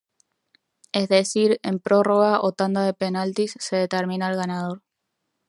Es decir, en prórroga o tanda de penaltis se determina al ganador.